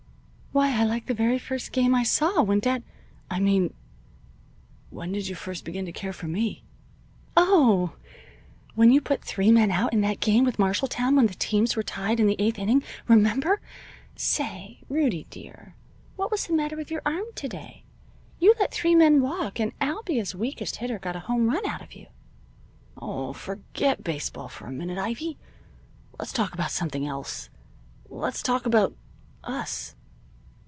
"Why I liked the very first game I saw when Dad " "I mean, when did you first begin to care for me?" "Oh! When you put three men out in that game with Marshalltown when the teams were tied in the eighth inning. Remember? Say, Rudie dear, what was the matter with your arm to day? You let three men walk, and Albia's weakest hitter got a home run out of you." "Oh, forget baseball for a minute, Ivy! Let's talk about something else. Let's talk about us."